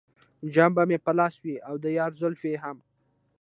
جام به مې په لاس وي او د یار زلفې هم.